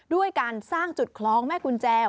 ด้วยการสร้างจุดคล้องแม่กุญแจ